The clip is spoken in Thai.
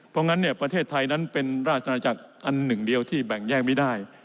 เพราะงั้นเนี่ยประเทศไทยนั้นเป็นราชนาจักรอันหนึ่งเดียวที่แบ่งแยกไม่ได้